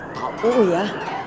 kau buru ya